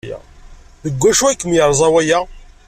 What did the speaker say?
Deg wacu ay kem-yerza waya?